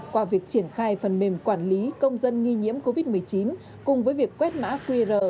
qua việc triển khai phần mềm quản lý công dân nghi nhiễm covid một mươi chín cùng với việc quét mã qr